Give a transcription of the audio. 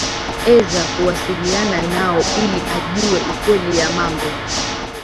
eza kuwasiliana nao ili ajue ukweli ya mambo